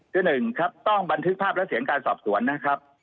หนึ่งครับต้องบันทึกภาพและเสียงการสอบสวนนะครับ